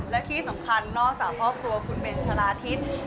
และที่สำคัญนอกจากครอบครัวคุณเบนชะลาทิศ